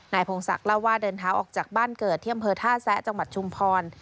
พงศักดิ์เล่าว่าเดินเท้าออกจากบ้านเกิดที่อำเภอท่าแซะจังหวัดชุมพร